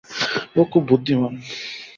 ও খুব বুদ্ধিমান।